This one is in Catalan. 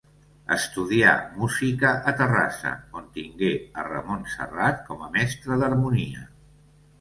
Estudià música a Terrassa, on tingué a Ramon Serrat com a mestre d'harmonia.